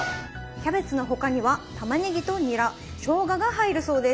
キャベツの他にはたまねぎとニラしょうがが入るそうです。